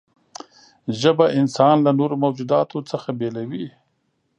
ژبه انسان له نورو موجوداتو څخه بېلوي.